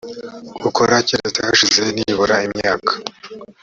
gukora keretse hashize nibura imyaka